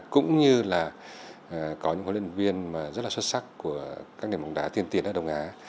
cũng như là có những huấn luyện viên rất là xuất sắc của các nền bóng đá tiên tiến ở đông á